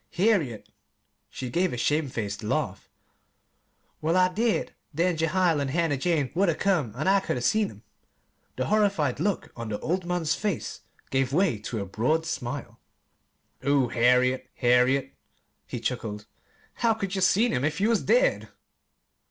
"Harriet!" She gave a shamed faced laugh. "Well, I did then Jehiel and Hannah Jane would 'a' come, an' I could 'a' seen 'em." The horrified look on the old man's face gave way to a broad smile. "Oh, Harriet Harriet!" he chuckled, "how could ye seen 'em if you was dead?"